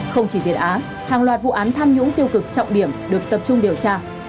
không chỉ việt á hàng loạt vụ án tham nhũng tiêu cực trọng điểm được tập trung điều tra